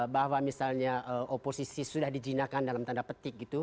bahwa misalnya oposisi sudah dijinakan dalam tanda petik gitu